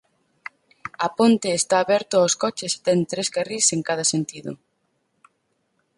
A ponte está aberto aos coches e ten tres carrís en cada sentido.